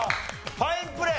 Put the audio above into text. ファインプレー。